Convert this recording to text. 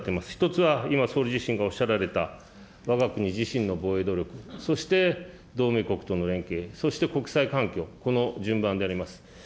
１つは今総理自身がおっしゃられた、わが国自身の防衛努力、そして同盟国との連携、そして国際環境、この順番であります。